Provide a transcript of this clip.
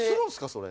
それ。